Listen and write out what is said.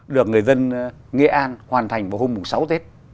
được người dân nghệ an hoàn thành vào hôm sáu tết